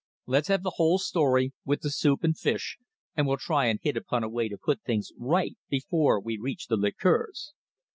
Let's have the whole story with the soup and fish, and we'll try and hit upon a way to put things right before we reach the liqueurs."